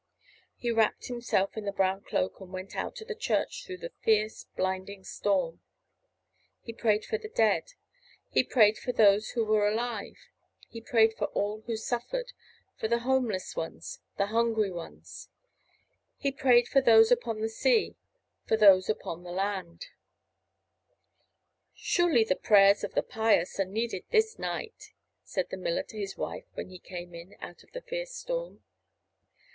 He wrapped himself in the brown cloak and went out to the church through the fierce blinding storm. He prayed for the dead. He prayed for those who were alive. He prayed for all who suffered, for the homeless ones, the hungry ones. He prayed for those upon the sea, for those upon the land. [Illustration: He wrapped himself in the brown cloak and went out through the fierce blinding storm] "Surely the prayers of the pious are needed this night," said the miller to his wife when he came in out of the fierce storm.